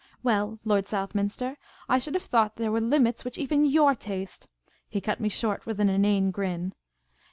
Well, Lord Southminster, I should have thought there were limits which evenjw^r taste " He cut me short with an inane grin.